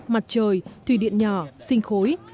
mặt trời thủy điện nhỏ sinh khối